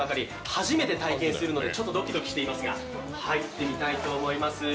初めて体験するので、ちょっとドキドキしていますが、入ってみたいと思います。